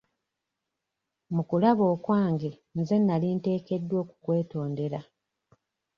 Mu kulaba okwange nze nali nteekeddwa okukwetondera.